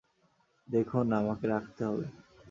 দেখুন, আমাকে রাখতে হবে।